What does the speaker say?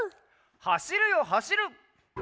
「はしるよはしる」！